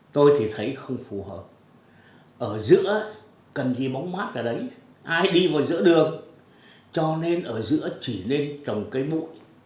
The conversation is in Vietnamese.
tôi thì thấy không phù hợp ở giữa cần đi móng mát ở đấy ai đi vào giữa đường cho nên ở giữa chỉ nên trồng cây mụn